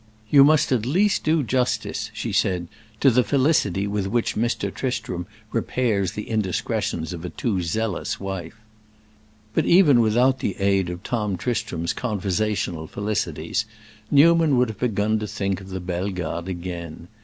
"You must at least do justice," she said, "to the felicity with which Mr. Tristram repairs the indiscretions of a too zealous wife." But even without the aid of Tom Tristram's conversational felicities, Newman would have begun to think of the Bellegardes again.